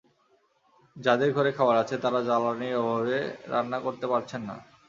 যাঁদের ঘরে খাবার আছে, তাঁরা জ্বালানির অভাবে রান্না করতে পারছেন না।